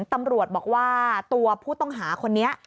ตำรวจบอกว่าตัวผู้ต้องหาคนนี้